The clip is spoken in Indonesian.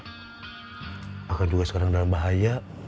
makanya dia juga sekarang dalam bahaya